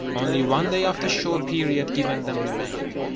Only one day of the short period given them remained.